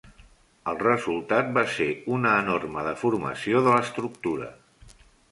El resultat va ser una enorma deformació de l'estructura.